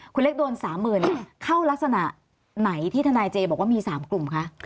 คุณเล็กโดน๓๐๐๐เข้ารักษณะไหนที่ทนายเจบอกว่ามี๓กลุ่มคะ